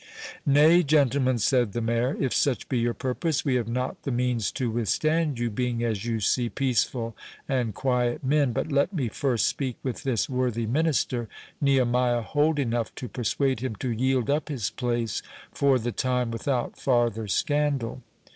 "Nay, gentlemen," said the Mayor, "if such be your purpose, we have not the means to withstand you, being, as you see, peaceful and quiet men—But let me first speak with this worthy minister, Nehemiah Holdenough, to persuade him to yield up his place for the time without farther scandal."